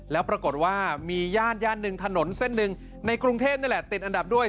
แล้วปรากฏว่ามีย่านย่านหนึ่งถนนเส้นหนึ่งในกรุงเทพนี่แหละติดอันดับด้วย